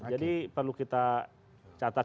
jadi perlu kita catat